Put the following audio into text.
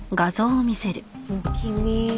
不気味。